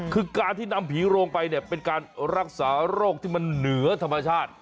คือการที่นำผีโรงไปเนี่ยเป็นการรักษาโรคที่มันเหนือธรรมชาติ